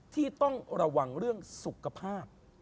ที่ต้องระวังเรื่องสุขภาพ